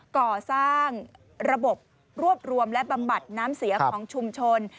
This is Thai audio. ก่อสร้างระบบรวบรวมและบำบัดน้ำเสียของชุมชน